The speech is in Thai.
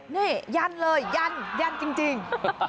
นี่ยันเลยยันยันจริง